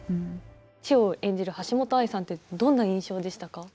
千代を演じる橋本愛さんってどんな印象でしたか？